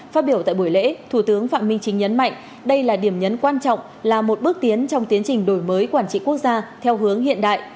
phát biểu tại buổi lễ thủ tướng phạm minh chính nhấn mạnh đây là điểm nhấn quan trọng là một bước tiến trong tiến trình đổi mới quản trị quốc gia theo hướng hiện đại